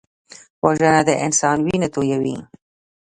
وژنه د انسان وینه تویوي